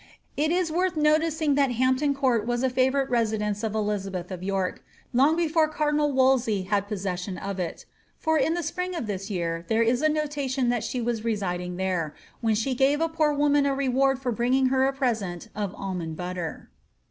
It is worth noticing that Hampton ConrI was a favourite residence of Elizabeth of York, long before cardinal Wolsey had possession of it ; for in the spring of this year there is a notation that she was residing there, when she gave a poor woman a reward for bringing her a present of almond butter.